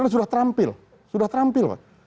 dan sudah terampil sudah terampil pak